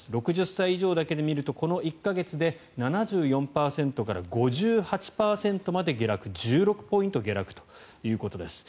６０歳以上だけで見るとこの１か月で７４％から５８％まで下落１６ポイント下落ということです。